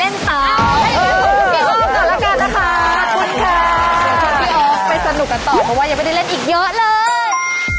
เผ็ดชิ้นพี่ออฟไปสนุกกันต่อเพราะว่าอย่าไปได้เล่นอีกเยอะเลย